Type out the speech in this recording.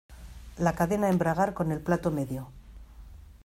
La cadena embragar con el plato medio.